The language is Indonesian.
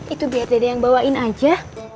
itu biar dede yang bawain aja